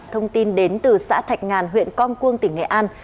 thông tin đến từ xã thạch ngàn huyện con cuông tỉnh nghệ an